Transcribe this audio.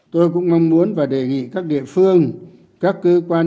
tôi cũng mong muốn và đề nghị các địa phương các cơ quan